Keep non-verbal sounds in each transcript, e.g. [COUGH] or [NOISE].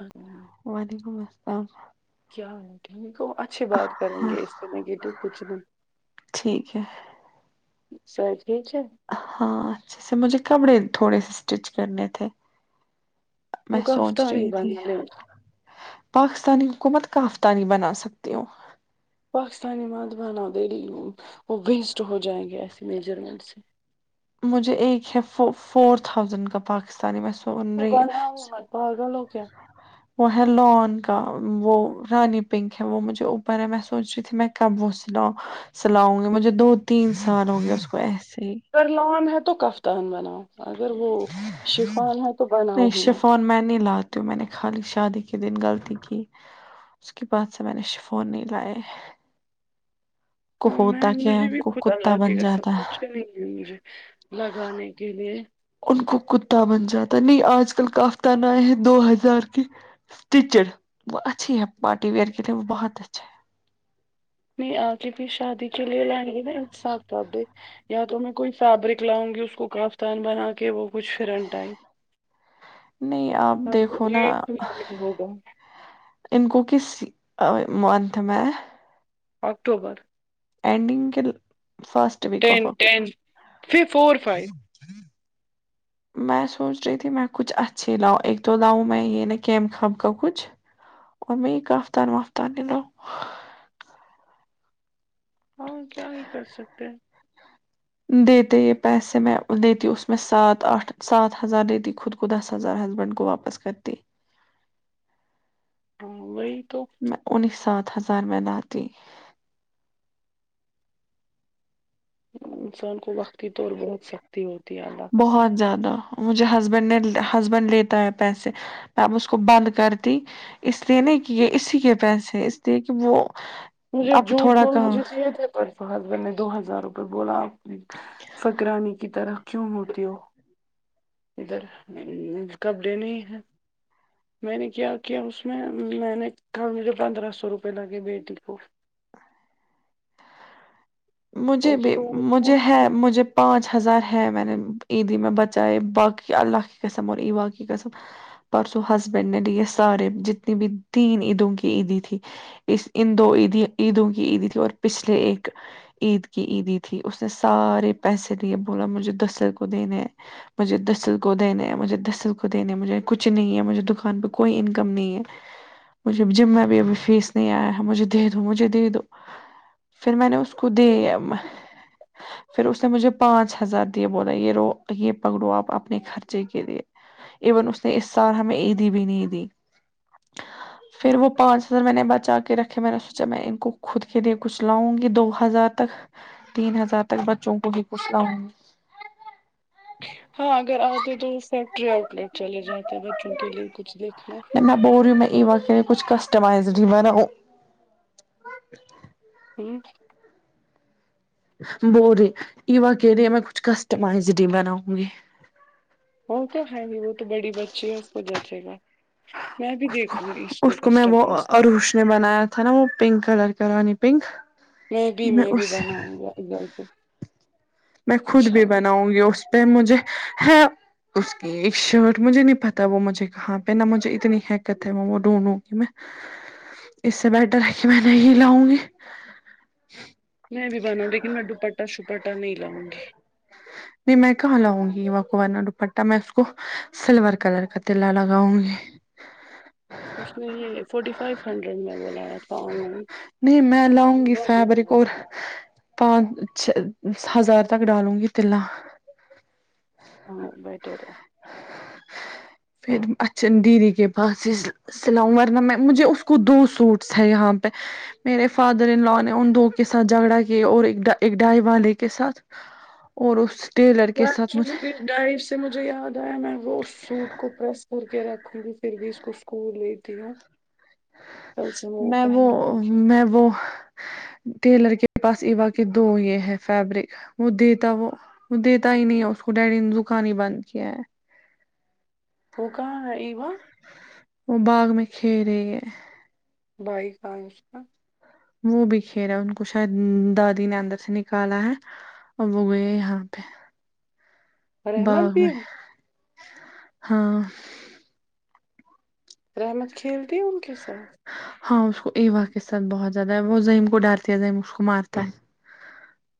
ہم وعلیکم السلام کیا ہو ٹھیک ہے اچھی بات کریں ہاں گے اس پہ نگیٹو کچھ نہیں ٹھیک ہے صحت ٹھیک ہے ہاں اچھا سے مجھے کپڑے تھوڑے سے اسٹچ کرنے تھے میں سوچ پاکستانی رہی تھی بنا لیں پاکستانی حکومت کا آفتانی بنا سکتی ہو پاکستانی مد بنا مد وہ وسٹ ہو جائیں گے ایسے میجرمنٹ سے مجھے ایک ہے فور تھاؤزینڈ کا پاکستانیی میں س تو کون ہے وہ مت بال رہا لو کیا وہ ہے لان کا وہ رانی پنک ہے وہ مجھے اوپر ہے میں سوچ رہی تھی میں کب وہ سنا سلاؤ گی مجھے دو تین سال ہوں گے اس کو ایسے ہی ا لان ہے تو کفتان بنا اگر وہ شفان ہے تو نہیں بنای شفون میں نہیں لا تو میں نے خالی شادی کے دن غلطی کی اس کے بعد سے میں نے فون نہیں لائے کو ہاں میں ہوتا کیا ہے، مجھے ان بھی کو خدا کتا بن لگے گا سب جاتا ہے، کچھ کر نہیں مجھے لگانے کے لیے ان کو کتا بن جاتا ہے نہیں آج کل کافتان آئے ہیں دو ہزار کے اسٹیچڈ وہ اچھی ہے پارٹی ویئر کے لیے وہ بہت اچھا ہے نہیں آ کے پ شادی کے لیے لائیں گے ناساب کابے [UNINTELLIGIBLE] یا تو میں کوئی فیبرک لاؤں گی اس کو کافتان بنا کے وہ کچھ کرھرنٹائیب ہے نہیں آپ دیکھو نا ایک ہوگا [UNINTELLIGIBLE] ان کو کس منتھ میں اکٹوبر انینڈنگ کے فسٹ ٹین ٹین پھر فور فائیو ہ میں سوچ رہی تھی میں کچھ اچھھیے لاؤ ایک تو لاؤں میں یہ نا کیم خاب کا کچھ امی کا کفتا ن وفتان دینو ہم کیا ہی کر سکتے ہیں دیتے یہ پیسے میں دیتی اس میں سات آٹھ سات ہزار دیتی خود کو دس ہزار ہسبینڈ کو واپس کرتی ہاں وہی تو میں انہیں سات ہزار منا تی انسان کو وقتی طور بہت سخت تی ہوتی ہے اللہ قسم بہت زیادہ مجھے ہسبینڈ نے ہسبینڈ لیتا ہے پیسے میں اب اس کو بند کرتی اس لیے نہیں کہ اسی کے پیسے ہیں اس لیے کہ وہ مجھے اب جھوٹ تھوڑا بول کہاں مجھے [UNINTELLIGIBLE] چید ہے پرفو ہسبینڈ نے دو ہزار روپئے بولا آپ فکرانی کی طرح کیوں ہوتی ہو ادھر کب دینے ہے میں نے کیا کیا اس میں میں نے کل مجھے پندرہ سو روپئے لگے بیٹی اف اور مجھے بھی تو مجھے وہ- ہے مجھے پانچ ہزار ہے میں نے عیدی میں بچائے باقی اللہ کی قسم اور ایوا کی قسم پرسوں ہسبینڈ نے لی یہ سارے جتنی بھی تین عیدوں کی عیدی تھی اس ان دو عیدی عیدوں کی عیدی تھی اور پچھلے ایک عید کی عیدی تھی اس نے سارے پیسے دیے بولا مجھے دسر کو دینے ہیں مجھے دسل کو دینے ہے مجھے دسل کو دینے ہے مجھے کچھ نہیں ہے مجھے دوکان پہ کوئی انکم نہیں ہے مجھے [UNINTELLIGIBLE] جم میں اب ابھی فیس نہیں آیا ہے مجھے دے دو مجھے دے دو پھر میں نے اس کو خود ہی پھر اس نے مجھے پانچ ہزار دیے بولا یہ رو یہ پکڑو آپ اپنے خرچے کے لیے ایون اس نے اس سال ہمیں عیدی بھی نہیں دی پھر وہ پانچ ہزار میں نے بچا کے رکھے میں نے اس جب میں ان کو خود کے لیے کچھ لاؤں گی دو ہزار تک تین ہزار تک بچوں کو بھی کچھ لا ؤ نگی ہاں اگر آتے تو فیکٹری آؤٹ لیٹ چلے جاتے ہیں بچوں کے لیے کچھ دیکھنا م بوریو میں ای و کچھسٹمائزڈ [UNINTELLIGIBLE] ہوں [UNINTELLIGIBLE] بورے ایو کہہ رہی ہے میں کچھ کسٹمائزڈ ہی بناؤں گی وہ تو ہے گی وہ تو بڑی بچی ہے اس کو جچے گا میں بھی اس کو دیکھوں گی اس کو میں وہ کسٹمائز اروش نے بنایا تھا نا وہ پنک کلر رانی پنک میں بھی میں بھی بناؤں گا ایک جل سے میں خود بھی بناؤں گی اس پہ مجھے ہے اس کی ایک شرٹ مجھے نہیں پتا وہ مجھے کہاں پہنا مجھے اتنی حکت ہے میں وہ دونوں کی ہیں اس سے بیٹر ہے کہ میں نہیں لاؤں گی میں بھی بناؤ لیکن میں دوپٹا شپٹا نہیں لاؤں گی نہیں میں کہاں لاؤں گی ورنہ دوپٹہ میں اس کو سلور کلر کا تلا لگاؤں گی اس نے یہ فورٹی فائیو ہنڈریڈ میں منگایا تھا آن لائن نہیں میں لاؤں یہ گی بہت فیبرک مہنگا ہے اور پانچ چ ہزار تک ڈالوں گی تلا ہاں بہتر ہوگا پھر اچن دیدی کے پاس اس سلاؤ ورنہ میں مجھے اس کو دو سوٹس ہے یہاں پہ میرے فادر ان لوء نے ان دو کے ساتھ جھگڑا کیا اور ایک ڈائی والے کے ساتھ اور اس ٹیلر وہ کے ساتھ مجھے ایکچولی کچھ ڈائٹ سے مجھے یاد آیا میں وہ اس سوٹ کو پریس کر کے رکھوں گی پھر بھی اس کو اسکول لیتی ہے میں وہ گی میں وہ ٹیلر کے پاس ایوا کے دو یہ ہے فیبرک وہ دیتا وہ وہ دیتا ہی نہیں ہے اس کو ڈیڈی نے دکان ہی بند کیا ہے وہ کہاں ہے ایوا وہ باغ میں کھیل رہی ہے بھائی کہاں ہے اس کا وہ بھی کھیل را ہے ان کو شاید دادی نے اندر سے نکالا ہے اب وہ گئے یہاں پہ رحمت باغ بھی میں ہے ہاں رحمت کھیلتی ہے ان کے ساتھ ہاں اس کو ایوا کے ساتھ بہت زیادہ ہے وہ زیم کو ڈرتی ہے زیم اس کو مارتا ہے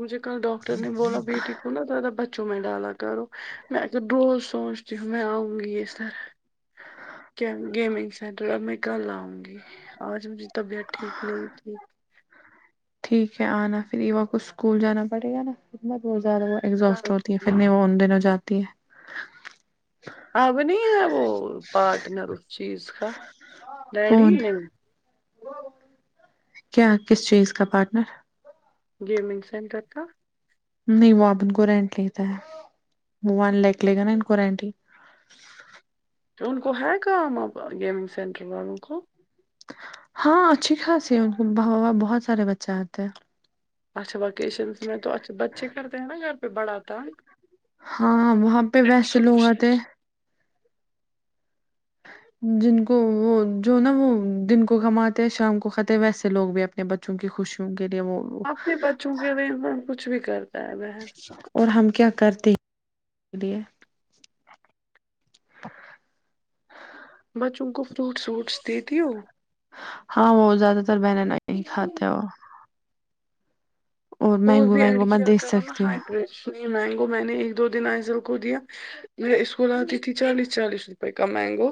مجھے کل ڈاکٹر نے بولا بیٹی کو نا زیادہ ب چوں میں ڈالا کرو میں تو بہت سونچتی ہوں میں آؤ گی اس طرح کیا گیمنگ سینٹر اب میں کل آؤں گی آج میری طبیعت ٹھیک نہیں تھی ٹھیک ہے آنا پھر ایوا کو اسکول جانا پڑے گا نا خدمت بہت زیادہ کل اگزوسٹ ہوتی آؤں ہے پھر گی۔ نہیں وہ ان دنوں جاتی ہے اب نہیں ہے وہ پاٹنر اس چیز کا ڈیڈی کون ہے کیا کس چیز کا پاٹنر گیمنگ سینٹر کا نہیں وہ اپ ان کو رینٹ لیتا ہے وہ ون لاکھ لے گا نا ان کو رینٹ ہی کہ ان کو ہے انکم گیمنگ سینٹر والوں کو ہاں اچھی خاصی ہے ان بہت سارے بچے آتے ہیں اچھا وکیشن میں تو اچھا بچے کرتے ہیں نا گھر پہ بڑا تنگ ہاں وہاں پہ ویسے لوگ آتے جن کو وہ جو نا وہ دن کو کماتے ہیں شام کو کھاتے ہیں ویسے لوگ بھی بچوں کی خوشیوں کے لیے وہ اپنے بچوں کے لیے کچھ بھی کرتا ہے بہن اور ہم کیا کرتے ہیں لیے بچوں کو فروٹس وروٹس دیتی ہو ہاں وہ زیادہ تر بہن نہیں کھاتے وہ اور مینگو بھی ایڈ وینگو میں کیا دے کرو نا سکتی ہای ہوں اتنی مینگو میں نے ایک دو دن آئزل کو دیا میں اسکول آتی تھی چالیس چالیس روپئے کا مینگو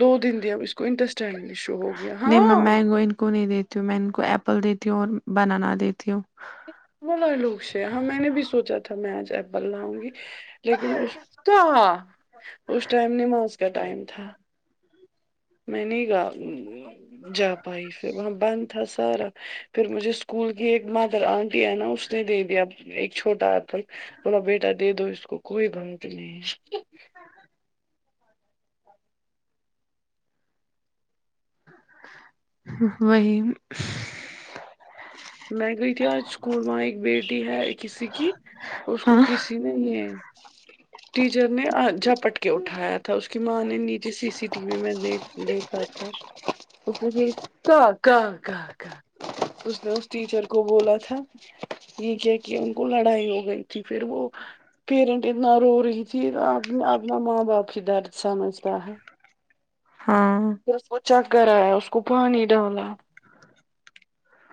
دو دن دیا ا اس کو انٹرسٹینڈ نہیں میں مینگو ان کو نہیں دیتی ہوں میں ان کو ایپل دیتی ہوں اور بنانا دیتی ہوں وہ للےلوسے ہاں میں نے بھی سوچا تھا میں آج ایپل لاؤں گی لیکن اس ٹائم نماز کا ٹائم تھا میں نہیں گا جا پائی پھر وہاں بند تھا سارا پھر مجھے اسکول کی ایک مدر آنٹی ہے نا اس نے دے دیا ایک چھوٹا تک مولا بیٹا دے دو اس کو کوئی گھن نہیں ہے وہی میں گئی تھی آج سکول وہاں ایک بیٹی ہے کسی کی اس کو ہاں کسی نہیں ہے ٹیچر نے جھپٹ کے اٹھایا تھا اس کی ماں نے نیچے سی سی ٹی وی میں دیکھ دیکھا تھا [UNINTELLIGIBLE] ٹیچر کو بولا تھا یہ کیا کیا ان کو لڑائی ہو گئی تھی پھر وہ پیرنٹ اتنا رو رہی تھی اپنا ماں باپ ہی درد سمجھتا ہے ہاں پھر اس کو چکر ایا اس کو پانی ڈالا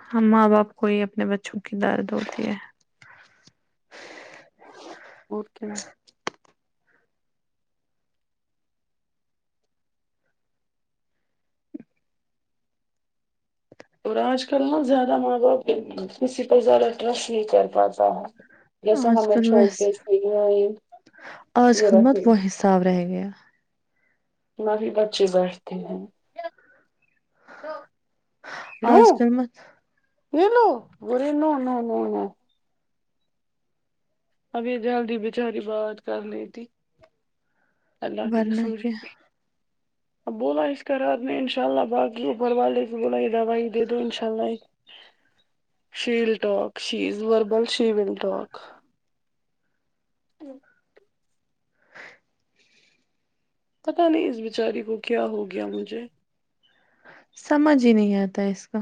ہاں ماں باپ کو ہی اپنے بچوں کی درد ہوتی ہے اور کیا مم اور آج کل نا زیادہ ماں باپ کسی پر زیادہ ٹرسٹ نہیں کر پاتا ہے ہے جیسے آج ہمیں کل چھوڑ بس کے چ مورکھ میں [UNINTELLIGIBLE] صاف رہ گیا باقی بچے بیٹھتے ہیں آج کل مت یہلو گری ن نو ن ن ابھی جلدی بچاری بات کرنی تھی اللہ کی ورنہ سمجھ کیا بولا اس کرادنے انشاء اللہ بقی اوبر والے سے بول یہ د دوائی ہی دے دو انشاء اللہ شیلٹاک شیز وربل شیل ٹاک ہی پتاہ نہیں اس بچاری کو کیا ہو گیا مجھے سمجھ ہی نہیں آتا ہے اس کا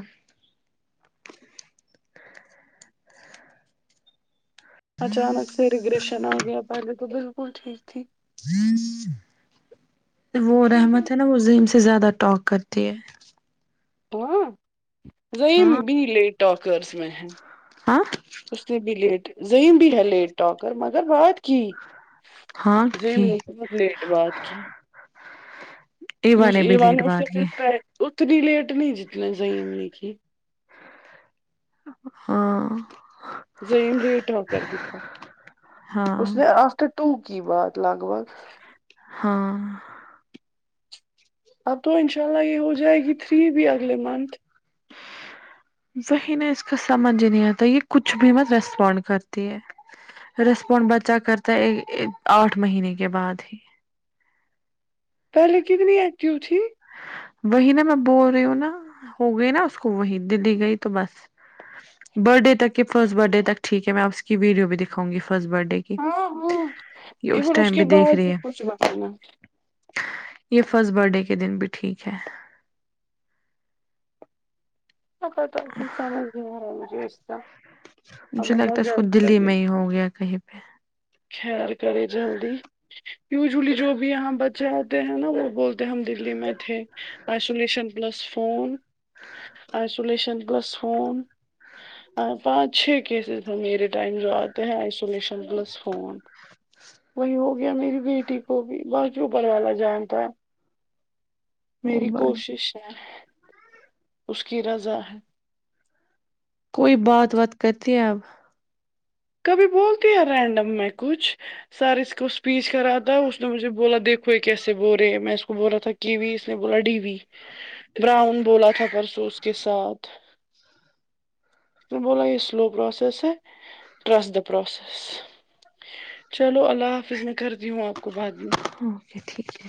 اچانک سے ریگریشن آ گیا پہلے تو بالکل ٹھیک تھی ج وہ رحمت ہے نا وہ ظم سے زیادہ ٹاک کرتی ہے ہ بھی ل ٹاکرس میں آ اس نے بھی لیٹ زہم بھی ہے لیٹ ٹاکر مگر بات کی ہاں جی کی میں بہت لیٹ بات کی ایوا مجھے نے ای بھی و لیٹ اس سے بات کی پھر اتنی لیٹ نہیں جتنے زم نے کی ہاں زین رٹ کر ہی تھا اس ہاں نے آ ٹو کی بات لگ بھگ ہاں اب تو انشاء اللہ یہ ہو جائے گی تھری بھی اگلے منتھ وہی نہ اس کا سمجھ ہی نہیں آتا یہ کچھ بھی مت ریسپونڈ کرتی ہے ریسپونڈ بچہ کرتا ہے آٹھ مہینے کے بعد ہی پہلے کتنی ایکٹیو تھی وہی نہا میں بول رہی ہوں نا ہو گئی نا اس کو وہی دلی گئی تو بس برتھ ڈے تک کے فرسٹ برھ ڈے تک ٹھیک ہے میں آ اس کی ویڈیو بھی دکھاں گ فسٹ برت ڈے کی ہاں ہاں یہ اس ایون ٹائم کے بھی دیکھ بعد رہی کچھ ہے مہینہ یہ فسٹ بر ڈے کے دن بھی ٹھیک ہے ا تو ت سمجھ گ رہ ہے مجےستا [UNINTELLIGIBLE] مجھے لگتا ہے اس کو دلی میں ہی ہو گیا کہیں پہ خیر کرے جلدی یوجولی جو بھی ہم بچے ہوتے ہیں نا وہ بولتے ہم دلی میں تھے isolation plus phone isolation plus phone ہاں پانچ چھ کیسز میں میرے ٹائم جو آتے ہیں آئسولیشن پلس فون وہی ہو گیا میری بیٹی کو بھی بکی روپر والا جانتا وہ میری بات کوشش ہے اس کی رضا ہے کوئی بات وات کرتی ہی اب کبھی بولتی ہے رینڈم میں کچھ سر اس کو اسپیچ کرادو اس نے مجھے بولا دیکھو یے کیسے بول رہے میں اس کو بولا تھا کی وی اس نے بولا ڈی وی براؤن بولا تھا پرسو اس کے ساتھ تو بول یے سلو پروسس ہے ٹرس دا پروسیس چلو اللہ حافظ میں کر دی ہوں بعد میں اوکے ٹھیک ہے